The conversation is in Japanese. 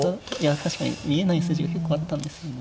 確かに見えない筋が結構あったんですね。